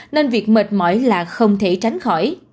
nên việc mệt mỏi là không thể tránh khỏi